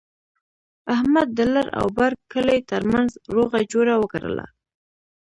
احمد د لر او بر کلي ترمنځ روغه جوړه وکړله.